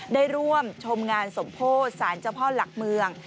ได้ร่วมชมงานสมโพธิสารเจ้าพ่อหลักเมือง